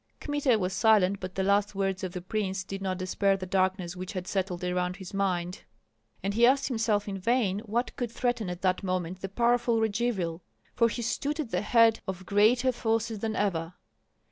Kmita was silent; but the last words of the prince did not disperse the darkness which had settled around his mind, and he asked himself in vain what could threaten at that moment the powerful Radzivill. For he stood at the head of greater forces than ever.